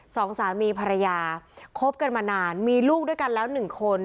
สองสามีภรรยาคบกันมานานมีลูกด้วยกันแล้วหนึ่งคน